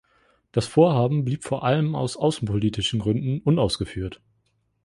Das Vorhaben blieb vor allem aus außenpolitischen Gründen unausgeführt.